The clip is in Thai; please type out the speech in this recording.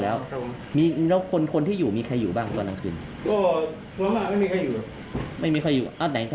แต่มีใครได้ยินเสียงอะไรไหมทีเมื่อคืน